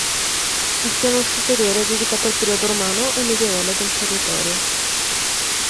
Il piano superiore è dedicato al periodo romano e medievale del territorio.